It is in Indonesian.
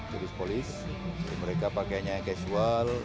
tulis polis jadi mereka pakainya casual